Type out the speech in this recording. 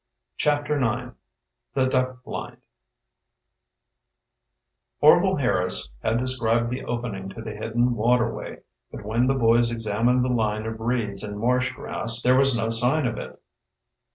CHAPTER IX The Duck Blind Orvil Harris had described the opening to the hidden waterway, but when the boys examined the line of reeds and marsh grass there was no sign of it.